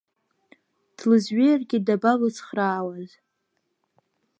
Длызҩеиргьы дабалыцхраауаз?